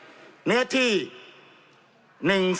จำนวนเนื้อที่ดินทั้งหมด๑๒๒๐๐๐ไร่